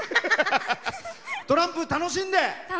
トランプ楽しんで。